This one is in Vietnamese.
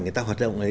người ta hoạt động ấy